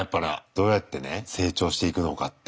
どうやってね成長していくのかって。